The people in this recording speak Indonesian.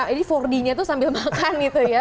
ini empat d nya tuh sambil makan gitu ya